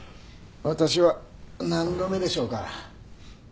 私は何度目でしょうか。